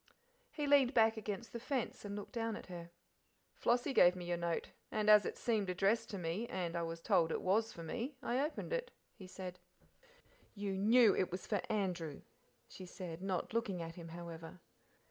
He leaned back against he fence and looked down at her. "Flossie gave me your note, and as it seemed addressed to me, and I was told it was for me; I opened it," he said. "You KNEW it was for Andrew," she said not looking at him, however.